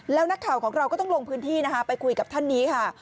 แล้วนักข่าวของเราก็ต้องลงพื้นที่นะคะไปคุยกับท่านนี้ค่ะ